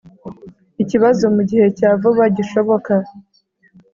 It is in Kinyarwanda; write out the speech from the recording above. ikibazo mu gihe cya vuba gishoboka